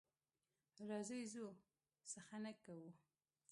راځئ ځو څخنک کوو.